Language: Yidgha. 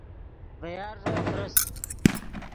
ڤے یارݱو خرست